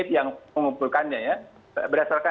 yang mengumpulkannya berdasarkan